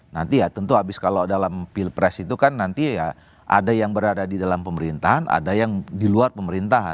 nanti ya tentu habis kalau dalam pilpres itu kan nanti ya ada yang berada di dalam pemerintahan ada yang di luar pemerintahan